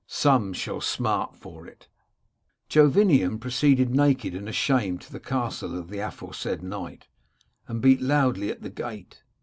Some shall smart for it' "Jovinian proceeded naked and ashamed to the castle of the aforesaid knight, and beat loudly at the gate.